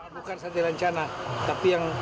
bukan satya lancana tapi yang